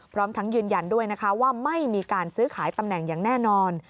พร้อมทั้งยืนยันด้วยนะคะว่าไม่มีการซื้อขายตำแหน่งอย่างแน่นอน